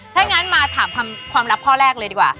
ถ้างั้นมาถามความลับข้อแรกเลยดีกว่า